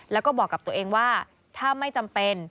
แล้วก็บอกกับตัวเองว่าถ้าไม่จำเป็น